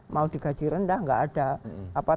mau di gaji rendah nggak ada